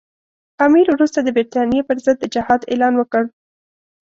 امیر وروسته د برټانیې پر ضد د جهاد اعلان وکړ.